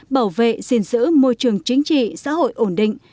bảo vệ giữ môi trường chính trị xã hội ổn định